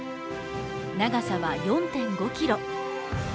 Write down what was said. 長さは４．５ｋｍ。